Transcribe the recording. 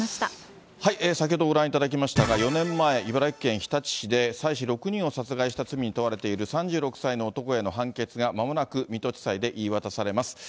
先ほどご覧いただきましたが、４年前、茨城県日立市で、妻子６人を殺害した罪に問われている３６歳の男への判決がまもなく水戸地裁で言い渡されます。